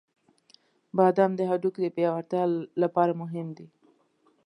• بادام د هډوکو د پیاوړتیا لپاره مهم دی.